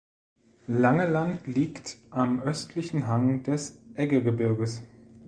Langeland liegt am östlichen Hang des Eggegebirges.